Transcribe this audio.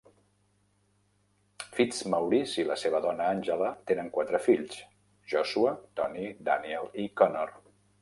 Fitzmaurice i la seva dona Angela tenen quatre fills: Joshua, Tony, Daniel i Connor.